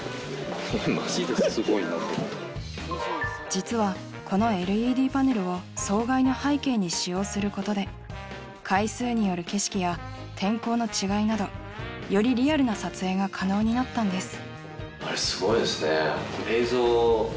実はこのＬＥＤパネルを窓外の背景に使用することで階数による景色や天候の違いなどよりリアルな撮影が可能になったんです